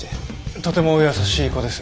とても優しい子です。